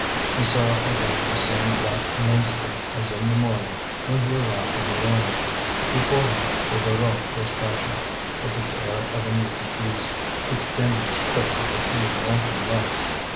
He saw again the same black immensity as in the morning when he had arrived in the wind. Before him the Voreux was crouching, with its air of an evil beast, its dimness pricked with a few lantern lights.